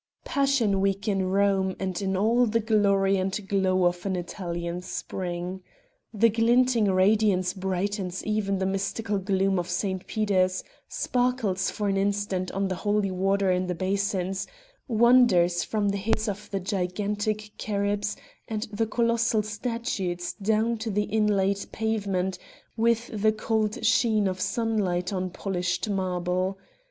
Passion week in Rome, and in all the glory and glow of an Italian spring. The glinting radiance brightens even the mystical gloom of St. Peter's, sparkles for an instant on the holy water in the basins, wanders from the heads of the gigantic cherubs and the colossal statues down to the inlaid pavement, with the cold sheen of sunlight on polished marble.